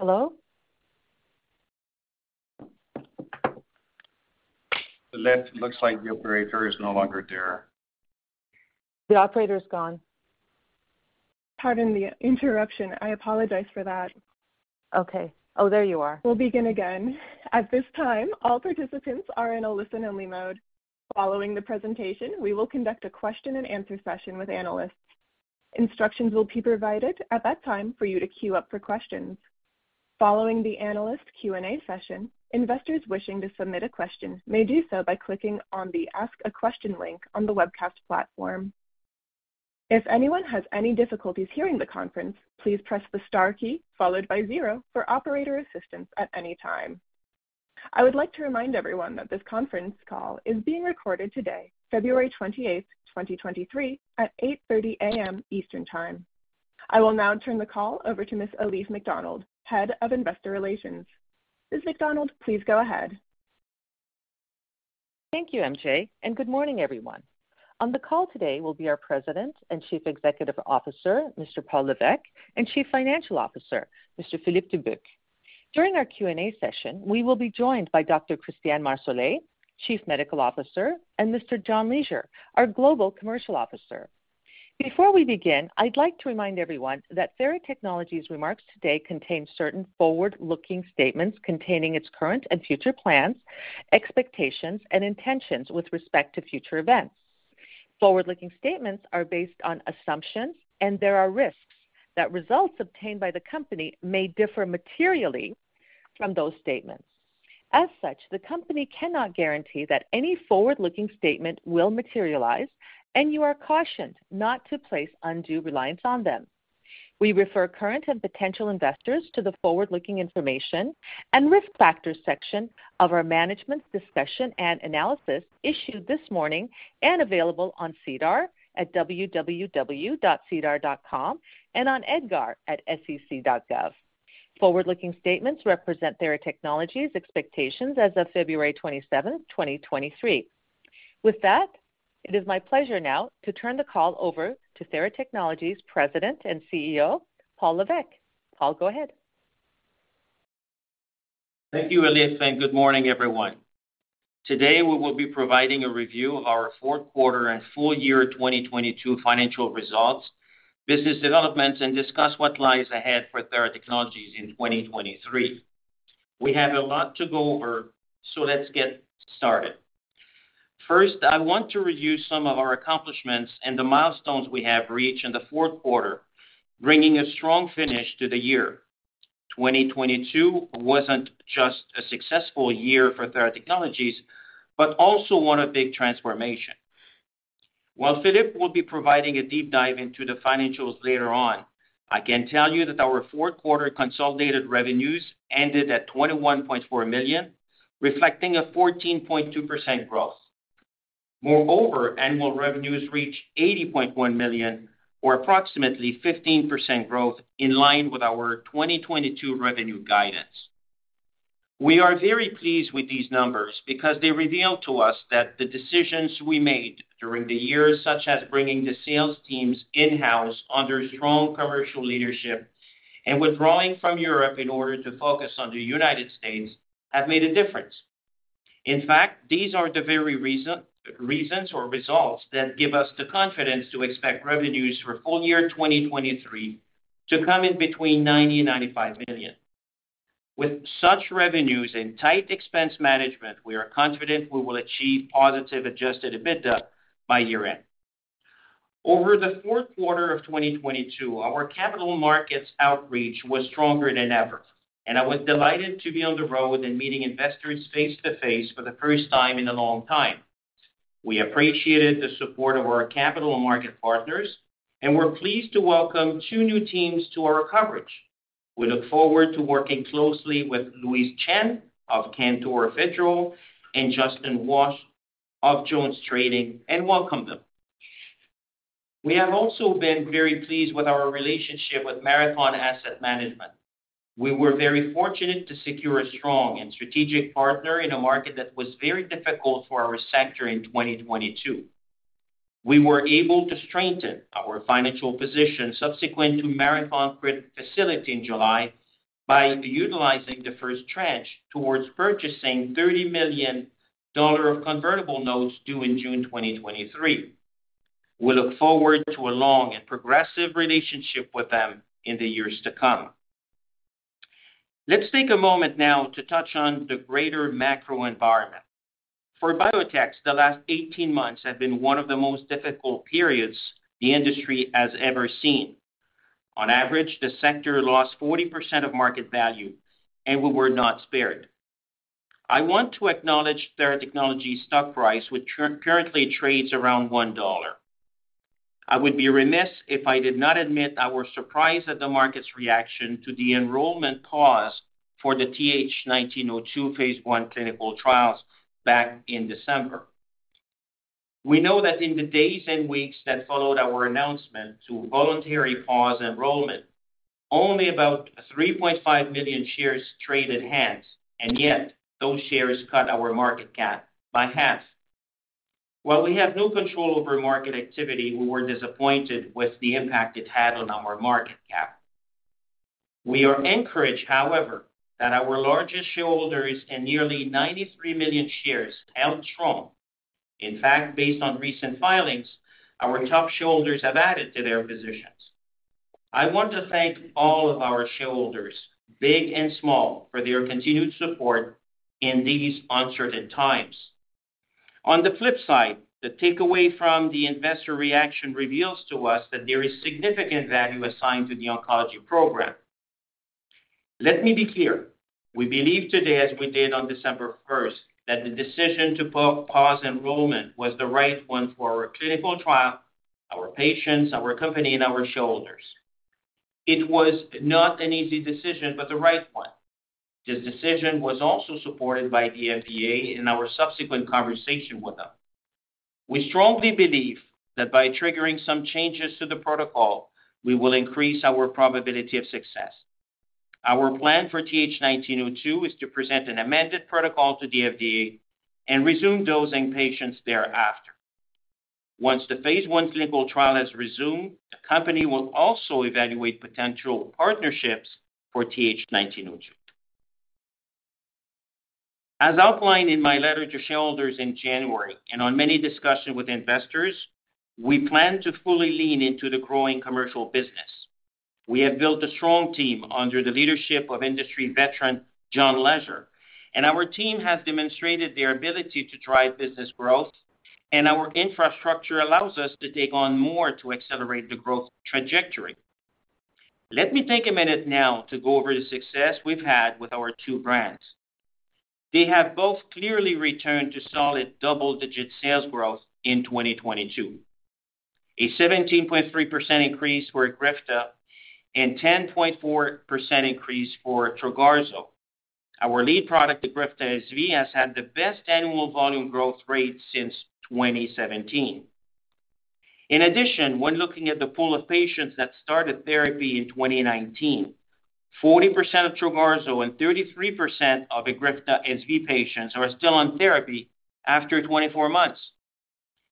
We'll begin again. At this time, all participants are in a listen-only mode. Following the presentation, we will conduct a question and answer session with analysts. Instructions will be provided at that time for you to queue up for questions. Following the analyst Q&A session, investors wishing to submit a question may do so by clicking on the Ask A Question link on the webcast platform. If anyone has any difficulties hearing the conference, please press the Star key followed by zero for operator assistance at any time. I would like to remind everyone that this conference call is being recorded today, February 28th, 2023 at 8:30 A.M. Eastern Time. I will now turn the call over to Ms. Elif McDonald, head of investor relations. Ms. McDonald, please go ahead. Thank you, MJ. Good morning, everyone. On the call today will be our President and Chief Executive Officer, Mr. Paul Lévesque, and Chief Financial Officer, Mr. Philippe Dubuc. During our Q&A session, we will be joined by Dr. Christian Marsolais, Chief Medical Officer, and Mr. John Leasure, our Global Commercial Officer. Before we begin, I'd like to remind everyone that Theratechnologies remarks today contain certain forward-looking statements containing its current and future plans, expectations, and intentions with respect to future events. Forward-looking statements are based on assumptions, and there are risks that results obtained by the company may differ materially from those statements. As such, the company cannot guarantee that any forward-looking statement will materialize, and you are cautioned not to place undue reliance on them. We refer current and potential investors to the forward-looking information and risk factors section of our management's discussion and analysis issued this morning and available on SEDAR at www.sedar.com and on EDGAR at sec.gov. Forward-looking statements represent Theratechnologies expectations as of February 27, 2023. With that, it is my pleasure now to turn the call over to Theratechnologies President and CEO, Paul Lévesque. Paul, go ahead. Thank you, Elif. Good morning, everyone. Today, we will be providing a review of our fourth quarter and full year 2022 financial results, business developments, and discuss what lies ahead for Theratechnologies in 2023. We have a lot to go over. Let's get started. First, I want to review some of our accomplishments and the milestones we have reached in the fourth quarter, bringing a strong finish to the year. 2022 wasn't just a successful year for Theratechnologies, but also one of big transformation. While Philippe will be providing a deep dive into the financials later on, I can tell you that our fourth quarter consolidated revenues ended at $21.4 million, reflecting a 14.2% growth. Annual revenues reached $80.1 million or approximately 15% growth in line with our 2022 revenue guidance. We are very pleased with these numbers because they reveal to us that the decisions we made during the year, such as bringing the sales teams in-house under strong commercial leadership and withdrawing from Europe in order to focus on the United States, have made a difference. In fact, these are the very reasons or results that give us the confidence to expect revenues for full year 2023 to come in between $90 million and $95 million. With such revenues and tight expense management, we are confident we will achieve positive adjusted EBITDA by year-end. Over the fourth quarter of 2022, our capital markets outreach was stronger than ever, and I was delighted to be on the road and meeting investors face to face for the first time in a long time. We appreciated the support of our capital market partners. We are pleased to welcome two new teams to our coverage. We look forward to working closely with Louise Chen of Cantor Fitzgerald and Justin Walsh of JonesTrading, and welcome them. We have also been very pleased with our relationship with Marathon Asset Management. We were very fortunate to secure a strong and strategic partner in a market that was very difficult for our sector in 2022. We were able to strengthen our financial position subsequent to Marathon credit facility in July by utilizing the first tranche towards purchasing $30 million of convertible notes due in June 2023. We look forward to a long and progressive relationship with them in the years to come. Let's take a moment now to touch on the greater macro environment. For biotechs, the last 18 months have been one of the most difficult periods the industry has ever seen. On average, the sector lost 40% of market value, and we were not spared. I want to acknowledge Theratechnologies' stock price, which currently trades around $1. I would be remiss if I did not admit our surprise at the market's reaction to the enrollment pause for the TH1902 phase 1 clinical trials back in December. We know that in the days and weeks that followed our announcement to voluntary pause enrollment, only about 3.5 million shares traded hands, and yet those shares cut our market cap by half. While we have no control over market activity, we were disappointed with the impact it had on our market cap. We are encouraged, however, that our largest shareholders and nearly 93 million shares held strong. In fact, based on recent filings, our top shareholders have added to their positions. I want to thank all of our shareholders, big and small, for their continued support in these uncertain times. The flip side, the takeaway from the investor reaction reveals to us that there is significant value assigned to the oncology program. Let me be clear. We believe today, as we did on December first, that the decision to pause enrollment was the right one for our clinical trial, our patients, our company and our shareholders. It was not an easy decision, but the right one. This decision was also supported by the FDA in our subsequent conversation with them. We strongly believe that by triggering some changes to the protocol, we will increase our probability of success. Our plan for TH1902 is to present an amended protocol to the FDA and resume dosing patients thereafter. Once the Phase 1 clinical trial has resumed, the company will also evaluate potential partnerships for TH1902. As outlined in my letter to shareholders in January and on many discussions with investors, we plan to fully lean into the growing commercial business. We have built a strong team under the leadership of industry veteran John Leasure, and our team has demonstrated their ability to drive business growth, and our infrastructure allows us to take on more to accelerate the growth trajectory. Let me take a minute now to go over the success we've had with our two brands. They have both clearly returned to solid double-digit sales growth in 2022. A 17.3% increase for EGRIFTA and 10.4% increase for Trogarzo. Our lead product, EGRIFTA SV, has had the best annual volume growth rate since 2017. In addition, when looking at the pool of patients that started therapy in 2019, 40% of Trogarzo and 33% of EGRIFTA SV patients are still on therapy after 24 months.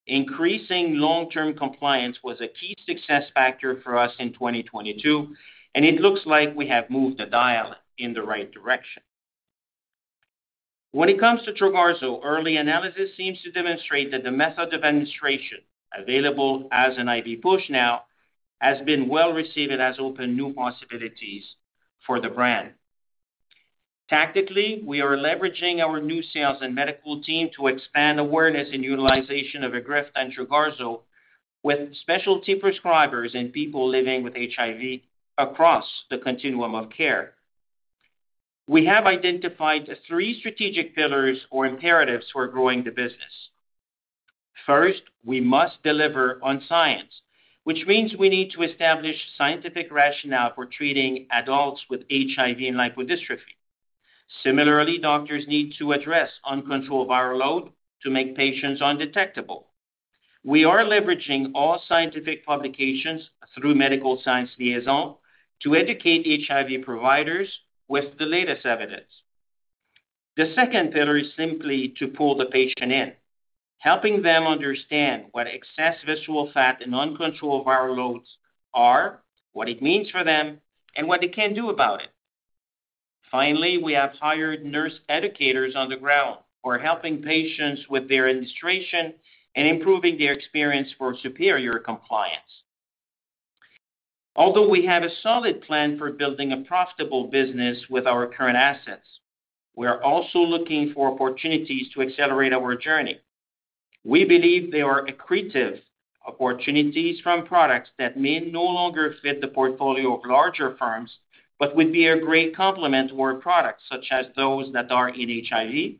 Increasing long-term compliance was a key success factor for us in 2022, and it looks like we have moved the dial in the right direction. When it comes to Trogarzo, early analysis seems to demonstrate that the method of administration available as an IV push now has been well received and has opened new possibilities for the brand. Tactically, we are leveraging our new sales and medical team to expand awareness and utilization of EGRIFTA and TROGARZO with specialty prescribers and people living with HIV across the continuum of care. We have identified the three strategic pillars or imperatives for growing the business. First, we must deliver on science, which means we need to establish scientific rationale for treating adults with HIV and lipodystrophy. Similarly, doctors need to address uncontrolled viral load to make patients undetectable. We are leveraging all scientific publications through medical science liaison to educate HIV providers with the latest evidence. The second pillar is simply to pull the patient in. Helping them understand what excess visceral fat and uncontrolled viral loads are, what it means for them, and what they can do about it. Finally, we have hired nurse educators on the ground who are helping patients with their administration and improving their experience for superior compliance. Although we have a solid plan for building a profitable business with our current assets, we are also looking for opportunities to accelerate our journey. We believe there are accretive opportunities from products that may no longer fit the portfolio of larger firms, but would be a great complement to our products, such as those that are in HIV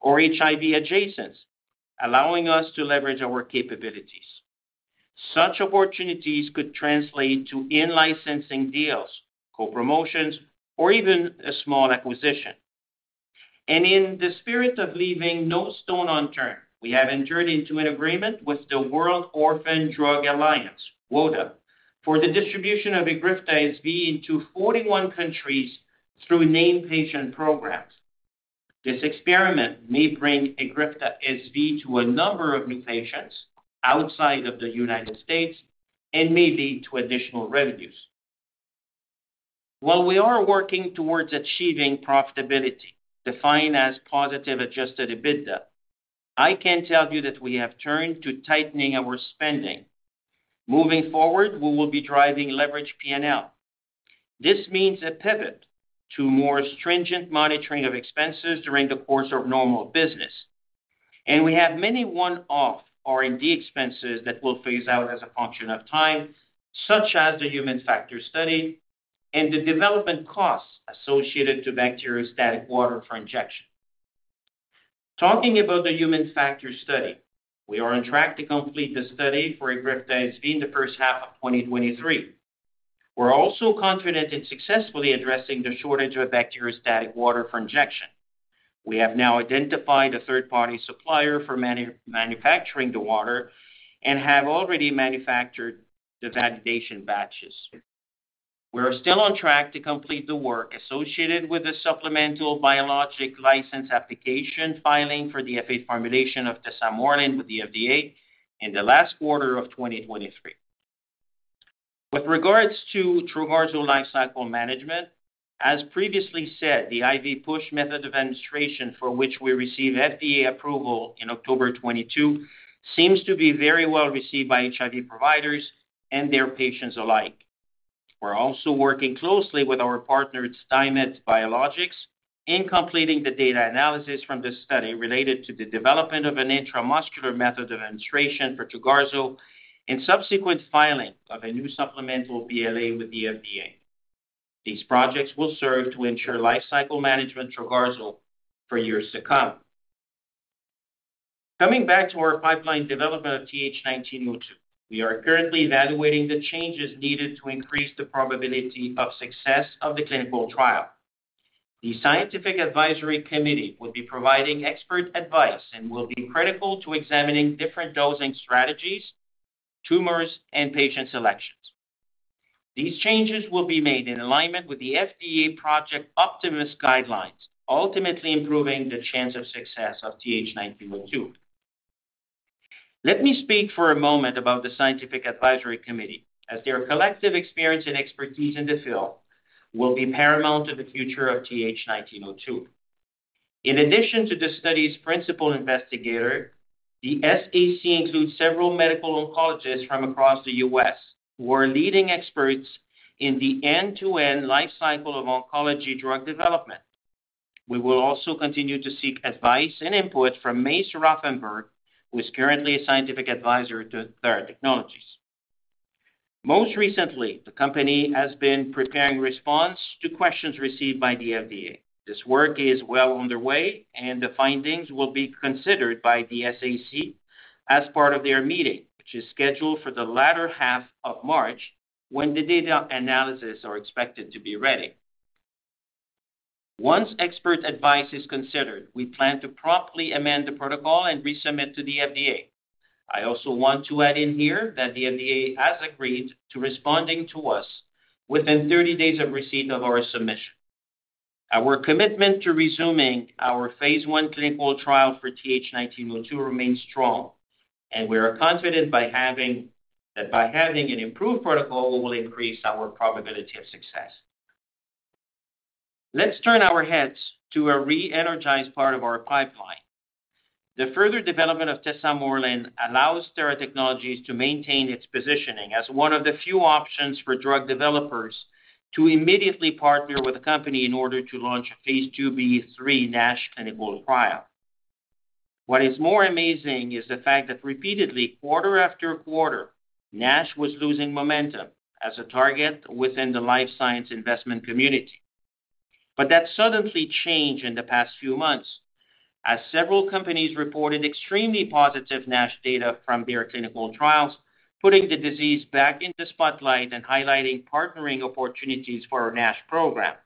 or HIV adjacent, allowing us to leverage our capabilities. Such opportunities could translate to in-licensing deals, co-promotions, or even a small acquisition. In the spirit of leaving no stone unturned, we have entered into an agreement with the World Orphan Drugs Alliance, WODA, for the distribution of EGRIFTA SV into 41 countries through named patient programs. This experiment may bring EGRIFTA SV to a number of new patients outside of the United States and may lead to additional revenues. While we are working towards achieving profitability, defined as positive adjusted EBITDA, I can tell you that we have turned to tightening our spending. Moving forward, we will be driving leverage P&L. This means a pivot to more stringent monitoring of expenses during the course of normal business. We have many one-off R&D expenses that will phase out as a function of time, such as the human factor study and the development costs associated to Bacteriostatic Water for Injection. Talking about the human factor study, we are on track to complete the study for EGRIFTA SV in the first half of 2023. We're also confident in successfully addressing the shortage of Bacteriostatic Water for Injection. We have now identified a third-party supplier for manufacturing the water and have already manufactured the validation batches. We are still on track to complete the work associated with the supplemental Biologics License Application filing for the F8 formulation of tesamorelin with the FDA in the last quarter of 2023. With regards to Trogarzo lifecycle management, as previously said, the IV push method of administration for which we received FDA approval in October 2022 seems to be very well received by HIV providers and their patients alike. We're also working closely with our partner at TaiMed Biologics in completing the data analysis from this study related to the development of an intramuscular method of administration for Trogarzo and subsequent filing of a new supplemental BLA with the FDA. These projects will serve to ensure lifecycle management Trogarzo for years to come. Coming back to our pipeline development of TH1902, we are currently evaluating the changes needed to increase the probability of success of the clinical trial. The Scientific Advisory Committee will be providing expert advice and will be critical to examining different dosing strategies, tumors, and patient selections. These changes will be made in alignment with the FDA Project Optimus guidelines, ultimately improving the chance of success of TH1902. Let me speak for a moment about the Scientific Advisory Committee, as their collective experience and expertise in the field will be paramount to the future of TH1902. In addition to the study's principal investigator, the SAC includes several medical oncologists from across the U.S. who are leading experts in the end-to-end life cycle of oncology drug development. We will also continue to seek advice and input from Mace Rothenberg, who is currently a scientific advisor to Theratechnologies. Most recently, the company has been preparing response to questions received by the FDA. This work is well underway, and the findings will be considered by the SAC as part of their meeting, which is scheduled for the latter half of March when the data analysis are expected to be ready. Once expert advice is considered, we plan to promptly amend the protocol and resubmit to the FDA. I also want to add in here that the FDA has agreed to responding to us within 30 days of receipt of our submission. Our commitment to resuming our phase 1 clinical trial for TH1902 remains strong, and we are confident that by having an improved protocol will increase our probability of success. Let's turn our heads to a re-energized part of our pipeline. The further development of tesamorelin allows Theratechnologies to maintain its positioning as one of the few options for drug developers to immediately partner with a company in order to launch a phase 2b/3 NASH clinical trial. What is more amazing is the fact that repeatedly, quarter after quarter, NASH was losing momentum as a target within the life science investment community. That suddenly changed in the past few months as several companies reported extremely positive NASH data from their clinical trials, putting the disease back in the spotlight and highlighting partnering opportunities for our NASH program.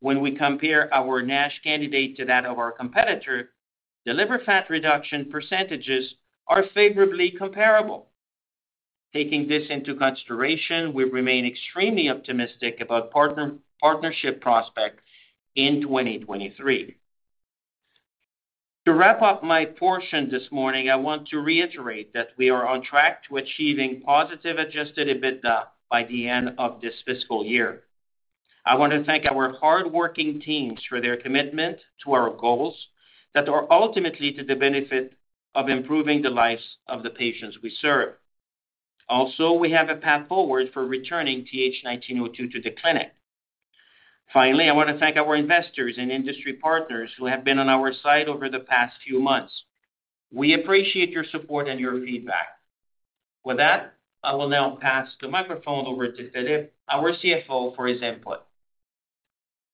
When we compare our NASH candidate to that of our competitor, the liver fat reduction percentages are favorably comparable. Taking this into consideration, we remain extremely optimistic about partnership prospects in 2023. To wrap up my portion this morning, I want to reiterate that we are on track to achieving positive adjusted EBITDA by the end of this fiscal year. I want to thank our hardworking teams for their commitment to our goals that are ultimately to the benefit of improving the lives of the patients we serve. We have a path forward for returning TH1902 to the clinic. I wanna thank our investors and industry partners who have been on our side over the past few months. We appreciate your support and your feedback. I will now pass the microphone over to Philippe, our CFO, for his input.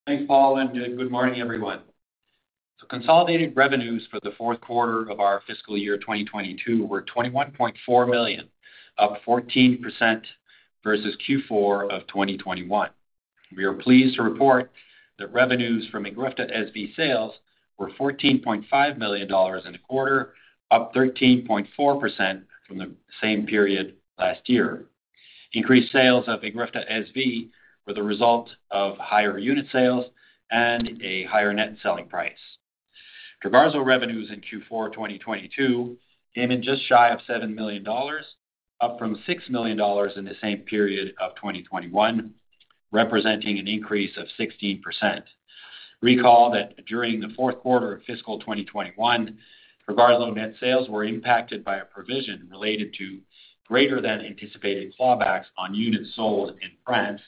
Thanks, Paul. Good morning, everyone. Consolidated revenues for the fourth quarter of our fiscal year 2022 were $21.4 million, up 14% versus Q4 of 2021. We are pleased to report that revenues from EGRIFTA SV sales were $14.5 million in the quarter, up 13.4% from the same period last year. Increased sales of EGRIFTA SV were the result of higher unit sales and a higher net selling price. Trogarzo revenues in Q4 2022 came in just shy of $7 million, up from $6 million in the same period of 2021, representing an increase of 16%. Recall that during the fourth quarter of fiscal 2021, Trogarzo net sales were impacted by a provision related to greater than anticipated clawbacks on units sold in France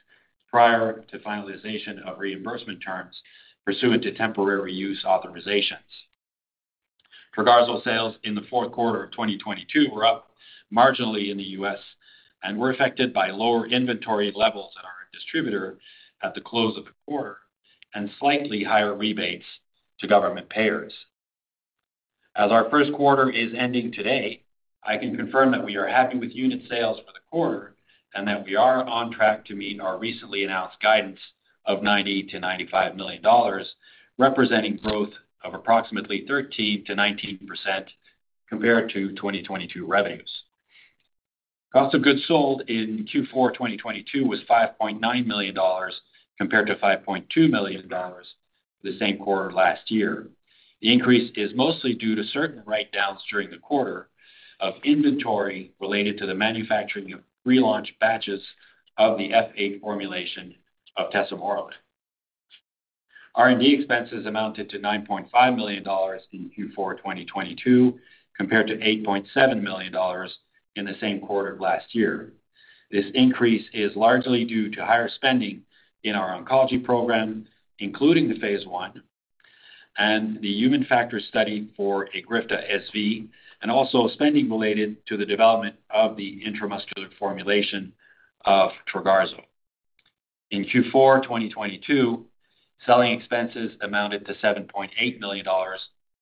prior to finalization of reimbursement terms pursuant to Temporary Use Authorization. Trogarzo sales in the fourth quarter of 2022 were up marginally in the US and were affected by lower inventory levels at our distributor at the close of the quarter and slightly higher rebates to government payers. As our first quarter is ending today, I can confirm that we are happy with unit sales for the quarter and that we are on track to meet our recently announced guidance of $90 million-$95 million, representing growth of approximately 13%-19% compared to 2022 revenues. Cost of goods sold in Q4 2022 was $5.9 million compared to $5.2 million the same quarter last year. The increase is mostly due to certain write-downs during the quarter of inventory related to the manufacturing of pre-launch batches of the F8 formulation of tesamorelin. R&D expenses amounted to $9.5 million in Q4 2022 compared to $8.7 million in the same quarter last year. This increase is largely due to higher spending in our oncology program, including the phase 1 and the human factor study for EGRIFTA SV, and also spending related to the development of the intramuscular formulation of Trogarzo. In Q4 2022, selling expenses amounted to $7.8 million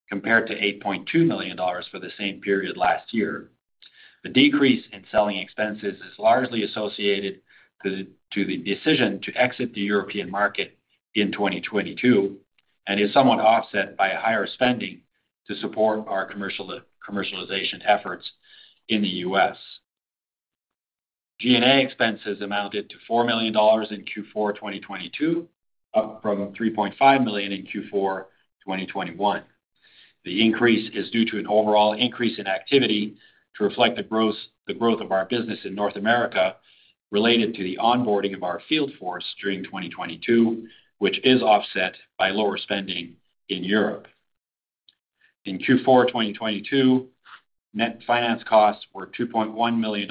compared to $8.2 million for the same period last year. The decrease in selling expenses is largely associated to the decision to exit the European market in 2022 and is somewhat offset by higher spending to support our commercialization efforts in the U.S. G&A expenses amounted to $4 million in Q4 2022, up from $3.5 million in Q4 2021. The increase is due to an overall increase in activity to reflect the growth of our business in North America related to the onboarding of our field force during 2022, which is offset by lower spending in Europe. In Q4 2022, net finance costs were $2.1 million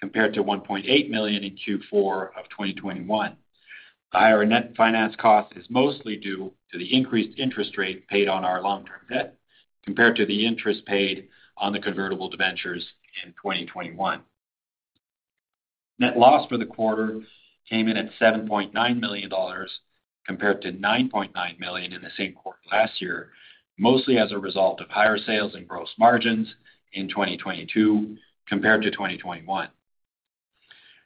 compared to $1.8 million in Q4 of 2021. The higher net finance cost is mostly due to the increased interest rate paid on our long-term debt compared to the interest paid on the convertible debentures in 2021. Net loss for the quarter came in at $7.9 million compared to $9.9 million in the same quarter last year, mostly as a result of higher sales and gross margins in 2022 compared to 2021.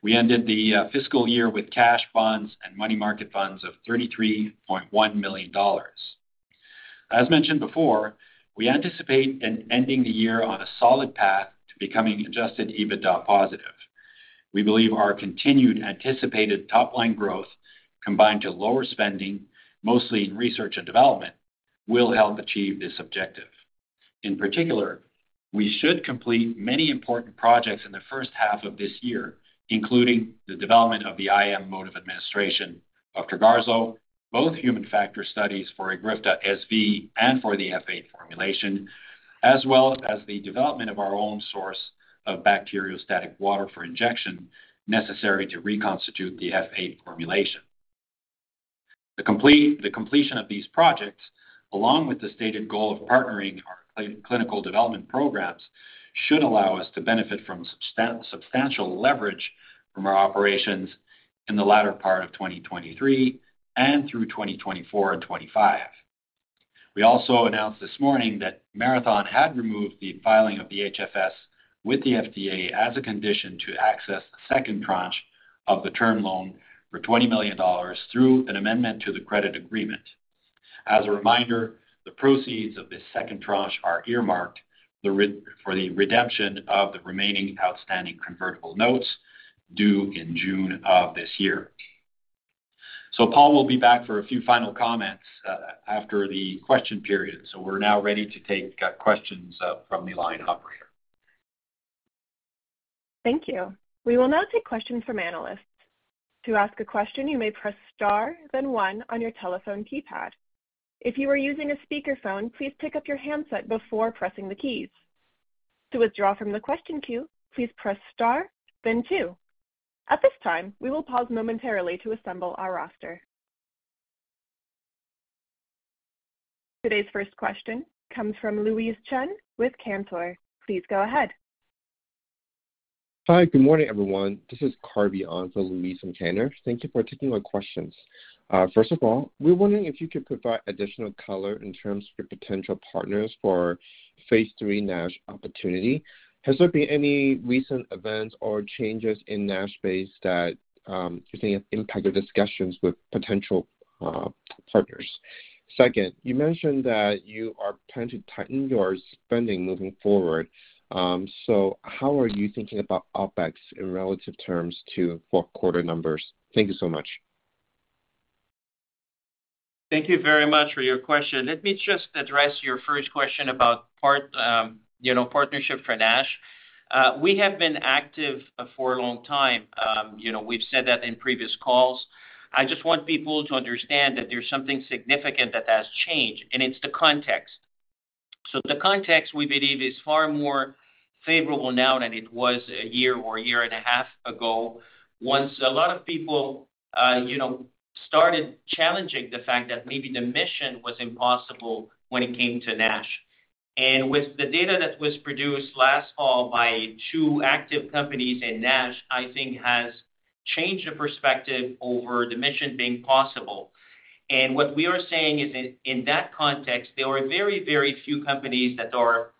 We ended the fiscal year with cash bonds and money market funds of $33.1 million. As mentioned before, we anticipate in ending the year on a solid path to becoming adjusted EBITDA positive. We believe our continued anticipated top-line growth, combined to lower spending, mostly in research and development, will help achieve this objective. In particular, we should complete many important projects in the first half of this year, including the development of the IM mode of administration of Trogarzo, both human factor studies for EGRIFTA SV and for the F8 formulation, as well as the development of our own source of Bacteriostatic Water for Injection necessary to reconstitute the F8 formulation. The completion of these projects, along with the stated goal of partnering our clinical development programs, should allow us to benefit from substantial leverage from our operations in the latter part of 2023 and through 2024 and 2025. We also announced this morning that Marathon had removed the filing of the HFS with the FDA as a condition to access the second tranche of the term loan for $20 million through an amendment to the credit agreement. As a reminder, the proceeds of this 2nd tranche are earmarked for the redemption of the remaining outstanding convertible notes due in June of this year. Paul Lévesque will be back for a few final comments after the question period. We're now ready to take questions from the line operator. Thank you. We will now take questions from analysts. To ask a question, you may press Star then one on your telephone keypad. If you are using a speakerphone, please pick up your handset before pressing the keys. To withdraw from the question queue, please press Star then two. At this time, we will pause momentarily to assemble our roster. Today's first question comes from Louise Chen with Cantor. Please go ahead. Hi. Good morning, everyone. This is Kareem 'Karbi' Fakhry on for Louise from Cantor. Thank you for taking my questions. First of all, we're wondering if you could provide additional color in terms of your potential partners for Phase 3 NASH opportunity. Has there been any recent events or changes in NASH space that you think have impacted discussions with potential partners? Second, you mentioned that you are planning to tighten your spending moving forward. How are you thinking about OpEx in relative terms to fourth quarter numbers? Thank you so much. Thank you very much for your question. Let me just address your first question about part, you know, partnership for NASH. We have been active for a long time. You know, we've said that in previous calls. I just want people to understand that there's something significant that has changed, and it's the context. The context we believe is far more favorable now than it was a year or a year and a half ago. Once a lot of people, you know, started challenging the fact that maybe the mission was impossible when it came to NASH. With the data that was produced last fall by two active companies in NASH, I think has changed the perspective over the mission being possible. What we are saying is in that context, there are very, very few companies that are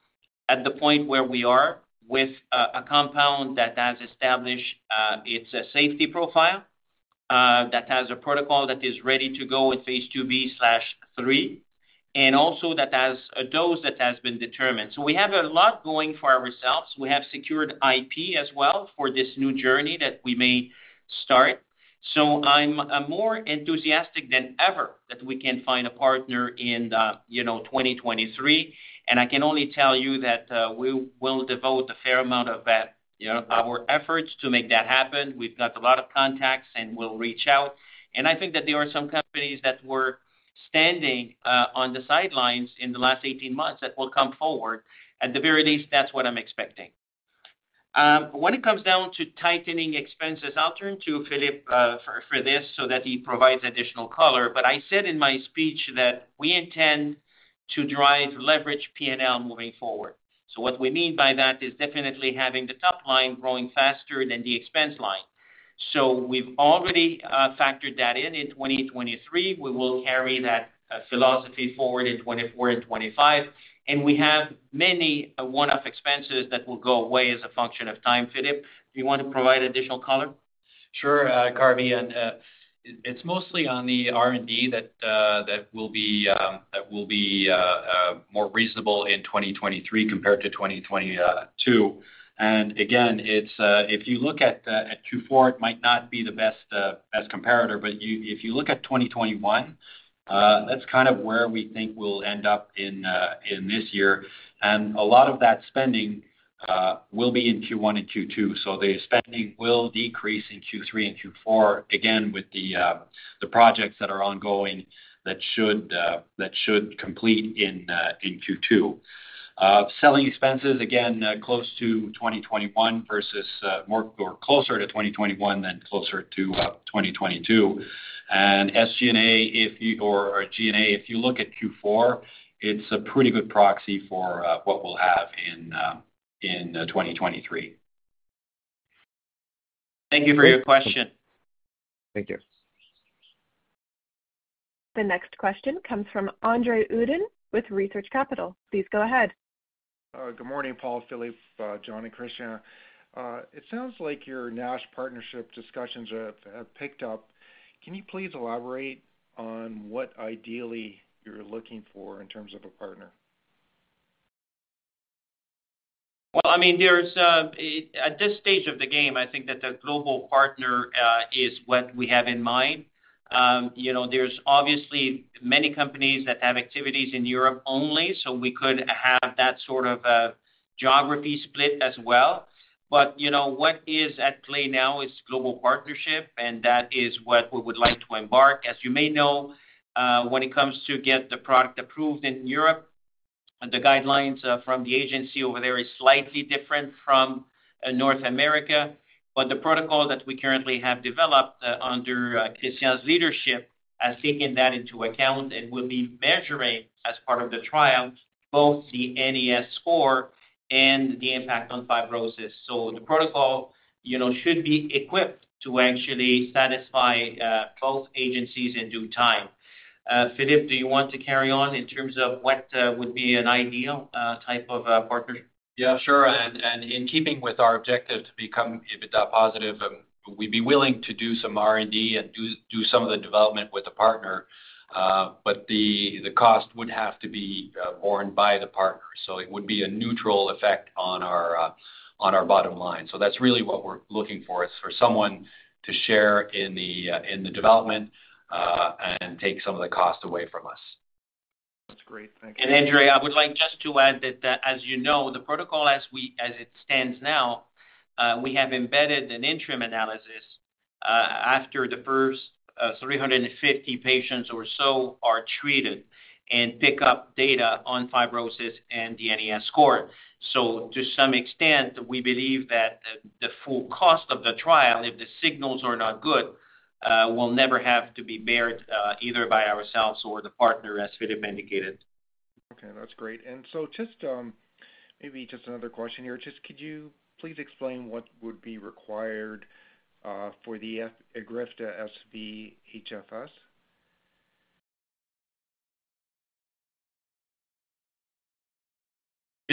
at the point where we are with a compound that has established its safety profile, that has a protocol that is ready to go with phase 2b/3, and also that has a dose that has been determined. We have a lot going for ourselves. We have secured IP as well for this new journey that we may start. I'm more enthusiastic than ever that we can find a partner in, you know, 2023. I can only tell you that we will devote a fair amount of that, you know, our efforts to make that happen. We've got a lot of contacts, and we'll reach out. I think that there are some companies that were standing on the sidelines in the last 18 months that will come forward. At the very least, that's what I'm expecting. When it comes down to tightening expenses, I'll turn to Philippe for this so that he provides additional color. I said in my speech that we intend to drive leverage P&L moving forward. What we mean by that is definitely having the top line growing faster than the expense line. We've already factored that in in 2023. We will carry that philosophy forward in 2024 and 2025, and we have many one-off expenses that will go away as a function of time. Philippe, do you want to provide additional color? Sure, Karbi. It's mostly on the R&D that will be more reasonable in 2023 compared to 2022. Again, it's if you look at Q4, it might not be the best as comparator, but you, if you look at 2021, that's kind of where we think we'll end up in this year. A lot of that spending will be in Q1 and Q2. The spending will decrease in Q3 and Q4, again with the projects that are ongoing that should complete in Q2. Selling expenses, again, close to 2021 versus more or closer to 2021 than closer to 2022. SG&A or G&A, if you look at Q4, it's a pretty good proxy for what we'll have in 2023. Thank you for your question. Thank you. The next question comes from Andre Uddin with Research Capital. Please go ahead. Good morning, Paul Lévesque, Philippe Dubuc, John Leasure, and Christian Marsolais. It sounds like your NASH partnership discussions have picked up. Can you please elaborate on what ideally you're looking for in terms of a partner? Well, I mean, there's at this stage of the game, I think that the global partner is what we have in mind. You know, there's obviously many companies that have activities in Europe only, we could have that sort of geography split as well. You know, what is at play now is global partnership, and that is what we would like to embark. As you may know, when it comes to get the product approved in Europe, the guidelines from the agency over there is slightly different from North America. The protocol that we currently have developed under Christian's leadership has taken that into account and will be measuring as part of the trial, both the NAS score and the impact on fibrosis. The protocol, you know, should be equipped to actually satisfy both agencies in due time. Philippe, do you want to carry on in terms of what would be an ideal type of partnership? Yeah, sure. In keeping with our objective to become EBITDA positive, we'd be willing to do some R&D and do some of the development with the partner. But the cost would have to be borne by the partner. It would be a neutral effect on our bottom line. That's really what we're looking for is for someone to share in the development and take some of the cost away from us. That's great. Thank you. Andre, I would like just to add that, as you know, the protocol as it stands now, we have embedded an interim analysis, after the first, 350 patients or so are treated and pick up data on fibrosis and the NAS score. To some extent, we believe that the full cost of the trial, if the signals are not good, will never have to be beared, either by ourselves or the partner, as Philippe indicated. Okay, that's great. Just maybe just another question here. Just could you please explain what would be required for the EGRIFTA SV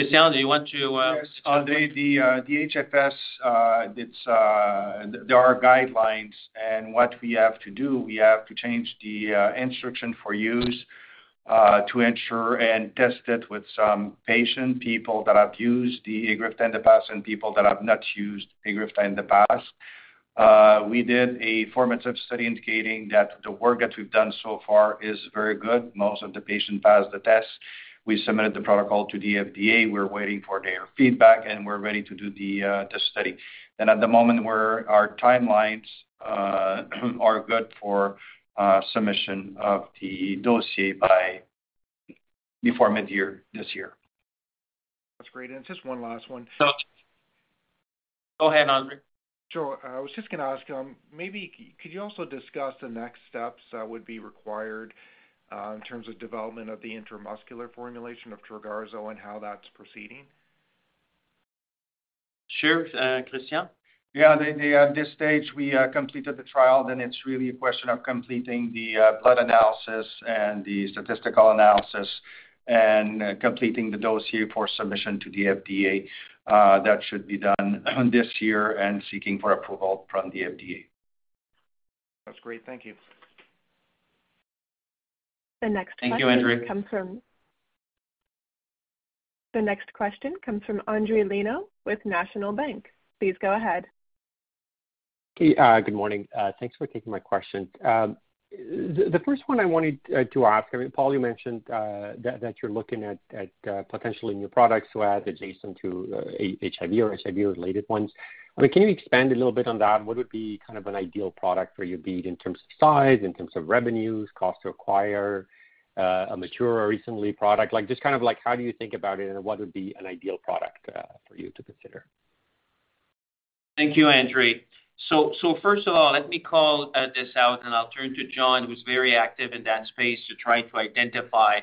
HFS? Christian, do you want to? Yes. The HFS, it's, there are guidelines and what we have to do, we have to change the instruction for use. To ensure and test it with some patient people that have used the EGRIFTA in the past and people that have not used EGRIFTA in the past. We did a formative study indicating that the work that we've done so far is very good. Most of the patients passed the test. We submitted the protocol to the FDA. We're waiting for their feedback, and we're ready to do the test study. At the moment, our timelines are good for submission of the dossier by before mid-year this year. That's great. Just one last one. Go ahead, Andre. Sure. I was just gonna ask, maybe could you also discuss the next steps that would be required in terms of development of the intramuscular formulation of Trogarzo and how that's proceeding? Sure. Christian? Yeah. The, this stage, we completed the trial, then it's really a question of completing the blood analysis and the statistical analysis and completing the dossier for submission to the FDA. That should be done this year and seeking for approval from the FDA. That's great. Thank you. Thank you, Andre. The next question comes from Andre Lino with National Bank. Please go ahead. Hey, good morning. Thanks for taking my question. The first one I wanted to ask, I mean, Paul, you mentioned that you're looking at potentially new products to add adjacent to HIV or HIV-related ones. I mean, can you expand a little bit on that? What would be kind of an ideal product for your bid in terms of size, in terms of revenues, cost to acquire a mature or recently product? Like, just kind of like how do you think about it and what would be an ideal product for you to consider? Thank you, Andre. First of all, let me call this out and I'll turn to John, who's very active in that space to try to identify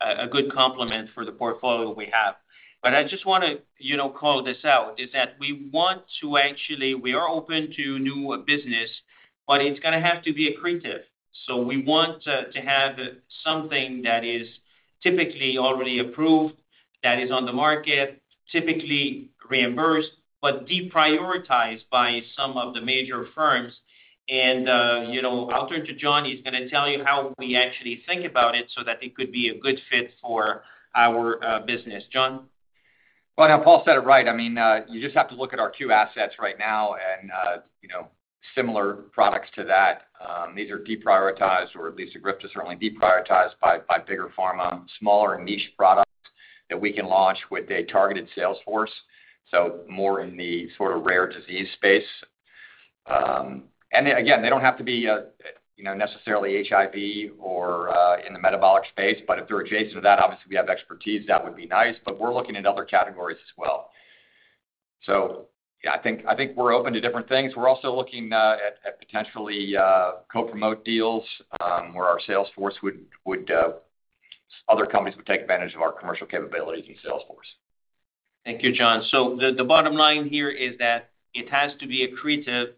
a good complement for the portfolio we have. I just wanna, you know, call this out is that we want to actually we are open to new business, but it's gonna have to be accretive. We want to have something that is typically already approved, that is on the market, typically reimbursed, but deprioritized by some of the major firms. You know, I'll turn to John, he's gonna tell you how we actually think about it so that it could be a good fit for our business. John? Well, Paul said it right. I mean, you just have to look at our two assets right now and, you know, similar products to that. These are deprioritized or at least EGRIFTA is certainly deprioritized by bigger pharma, smaller niche products that we can launch with a targeted sales force, so more in the sort of rare disease space. Again, they don't have to be, you know, necessarily HIV or in the metabolic space, but if they're adjacent to that, obviously we have expertise, that would be nice. We're looking at other categories as well. I think we're open to different things. We're also looking at potentially co-promote deals, where our sales force would other companies would take advantage of our commercial capabilities and sales force. Thank you, John. The bottom line here is that it has to be accretive,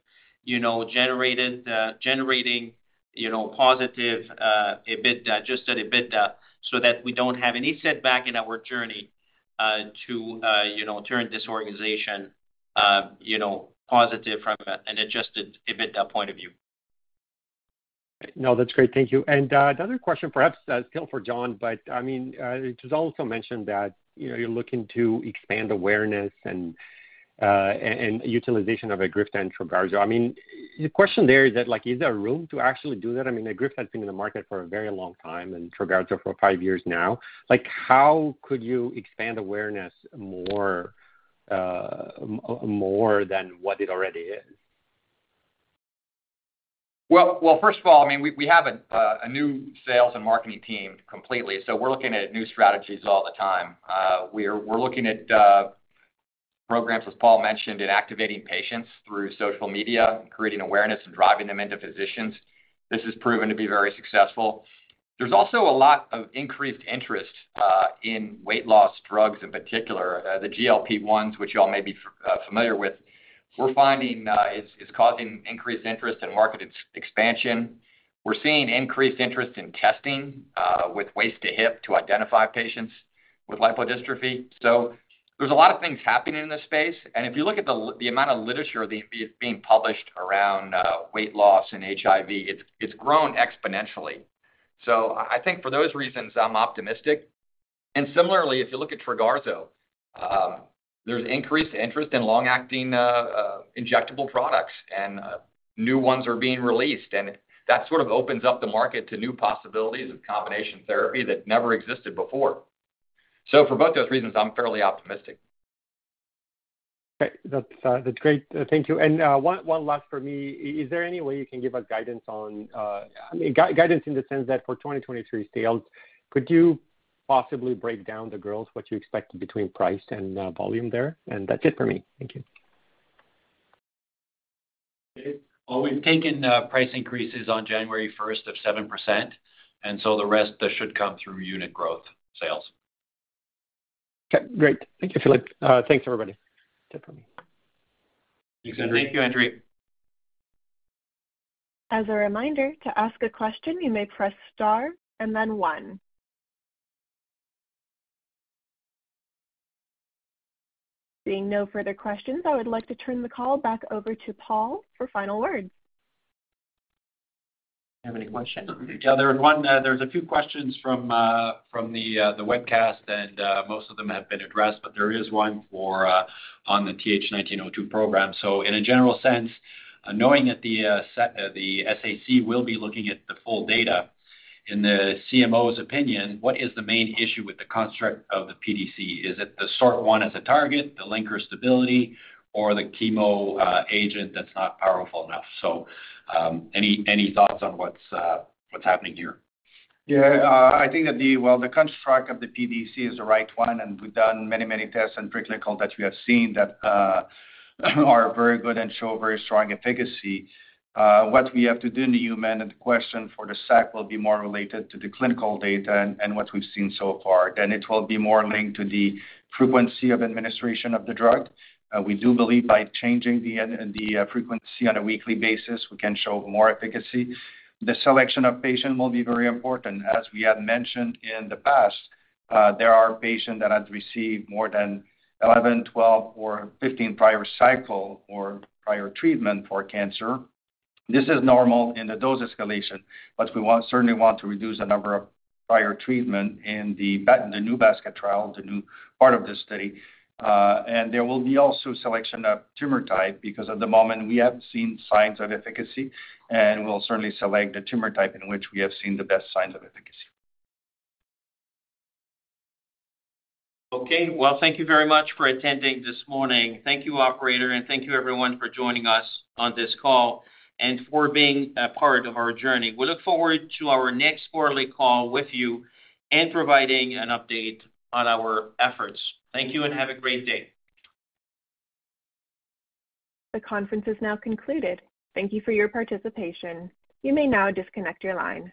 you know, generated, generating, you know, positive EBITDA, adjusted EBITDA, so that we don't have any setback in our journey to, you know, turn this organization, you know, positive from an adjusted EBITDA point of view. No, that's great. Thank you. Another question perhaps, still for John, I mean, it was also mentioned that, you know, you're looking to expand awareness and utilization of EGRIFTA and Trogarzo. I mean, the question there is that like, is there room to actually do that? I mean, EGRIFTA has been in the market for a very long time and Trogarzo for five years now. Like, how could you expand awareness more than what it already is? Well, first of all, I mean, we have a new sales and marketing team completely, so we're looking at new strategies all the time. We're looking at programs, as Paul mentioned, in activating patients through social media and creating awareness and driving them into physicians. This has proven to be very successful. There's also a lot of increased interest in weight loss drugs, in particular, the GLP-1s, which y'all may be familiar with. We're finding, it's causing increased interest in market expansion. We're seeing increased interest in testing with waist-to-hip to identify patients with lipodystrophy. There's a lot of things happening in this space. If you look at the amount of literature being published around weight loss and HIV, it's grown exponentially. I think for those reasons, I'm optimistic. Similarly, if you look at Trogarzo, there's increased interest in long-acting injectable products and new ones are being released, and that sort of opens up the market to new possibilities of combination therapy that never existed before. For both those reasons, I'm fairly optimistic. Okay. That's great. Thank you. One last for me. Is there any way you can give us guidance on, I mean, guidance in the sense that for 2023 sales, could you possibly break down the growth, what you expect between price and volume there? That's it for me. Thank you. we've taken price increases on January first of 7%, and so the rest should come through unit growth sales. Okay, great. Thank you. Thanks, everybody. That's it for me. Thanks, Andre. Thank you, Andre. As a reminder, to ask a question, you may press Star and then one. Seeing no further questions, I would like to turn the call back over to Paul for final words. You have any questions? There was one. There's a few questions from the webcast, and most of them have been addressed, but there is one for on the TH1902 program. In a general sense, knowing that the SAC will be looking at the full data, in the CMO's opinion, what is the main issue with the construct of the PDC? Is it the SORT1 as a target, the linker stability, or the chemo agent that's not powerful enough? Any thoughts on what's happening here? I think that the construct of the PDC is the right one. We've done many, many tests in preclinical that we have seen that are very good and show very strong efficacy. What we have to do in the human, and the question for the SAC will be more related to the clinical data and what we've seen so far. It will be more linked to the frequency of administration of the drug. We do believe by changing the frequency on a weekly basis, we can show more efficacy. The selection of patient will be very important. As we have mentioned in the past, there are patients that have received more than 11, 12, or 15 prior cycle or prior treatment for cancer. This is normal in the dose escalation, but we certainly want to reduce the number of prior treatment in the new basket trial, the new part of this study. There will be also selection of tumor type because at the moment, we have seen signs of efficacy, and we'll certainly select the tumor type in which we have seen the best signs of efficacy. Okay. Well, thank you very much for attending this morning. Thank you, operator, and thank you everyone for joining us on this call and for being a part of our journey. We look forward to our next quarterly call with you and providing an update on our efforts. Thank you and have a great day. The conference is now concluded. Thank you for your participation. You may now disconnect your line.